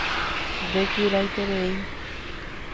Ndekyraiterei.